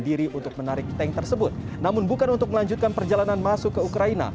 diri untuk menarik tank tersebut namun bukan untuk melanjutkan perjalanan masuk ke ukraina